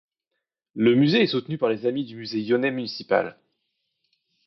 Le musée est soutenu par les amis du Musée Yonnais Municipal.